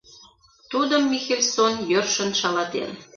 Тудым Михельсон йӧршын шалатен...